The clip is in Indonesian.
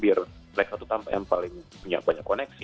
biar mereka tuh yang paling punya banyak koneksi